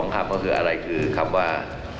๒ครับก็คืออะไรคือครับว่า